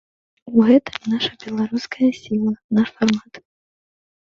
У гэтым наша беларуская сіла, наш фармат.